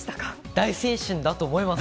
大青春だと思います。